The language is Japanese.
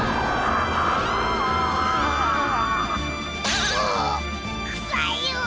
うっくさいよ！